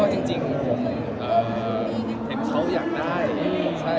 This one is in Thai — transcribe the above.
ก็จริงผมเห็นเค้าอยากได้